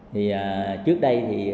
thì trước đây thì